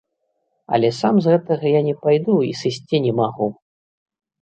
Але сам з гэтага я не пайду і сысці не магу.